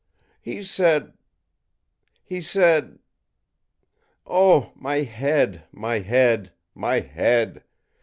ì'He said he said oh, my head, my head, my head!